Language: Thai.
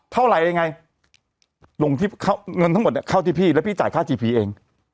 เท่าไหร่ยังไงลงที่เงินทั้งหมดเนี่ยเข้าที่พี่แล้วพี่จ่ายค่าจีพีเอง